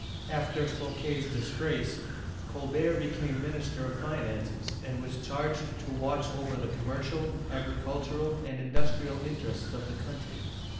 After Fouquet*s disgrace, Colbert became minister of finances and was charged to watch over the commer cial, agricultural, and industrial interests of the country.